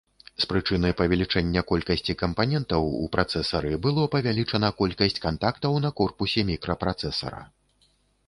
З прычыны павелічэння колькасці кампанентаў у працэсары, было павялічана колькасць кантактаў на корпусе мікрапрацэсара.